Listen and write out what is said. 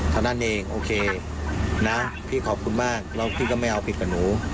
เท่านั้นเองโอเคนะพี่ขอบคุณมากแล้วพี่ก็ไม่เอาผิดกับหนู